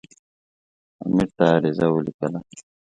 امیر ته عریضه ولیکله.